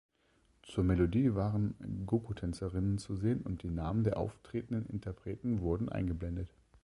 Zur Melodie waren Gogo-Tänzerinnen zu sehen und die Namen der auftretenden Interpreten wurden eingeblendet.